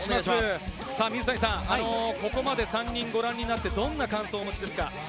水谷さん、ここまで３人ご覧になって、どんな感想をお持ちですか？